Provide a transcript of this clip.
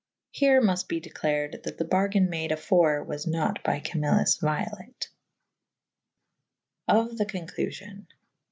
Here mufte be declared that' the bargayne made afore was nat by Camilus violate. Of the conclufion.